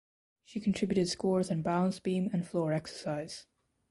She contributed scores on balance beam and floor exercise.